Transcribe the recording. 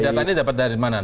data ini dapat dari mana